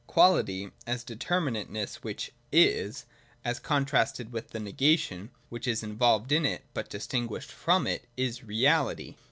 91.J Quality, as determinateness which is, as con trasted with the Negation which is involved in it but distinguished from it, is Reality.